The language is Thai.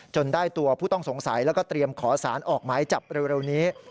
ได้ตัวผู้ต้องสงสัยแล้วก็เตรียมขอสารออกหมายจับเร็วนี้